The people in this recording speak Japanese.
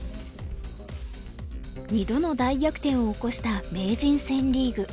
２度の大逆転を起こした名人戦リーグ。